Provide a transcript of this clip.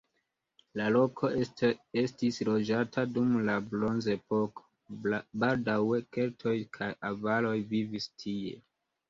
La loko estis loĝata dum la bronzepoko, baldaŭe keltoj kaj avaroj vivis tie.